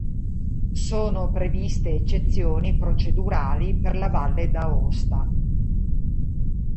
Sono previste eccezioni procedurali per la Valle d'Aosta.